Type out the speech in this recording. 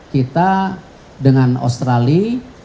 kita dengan australia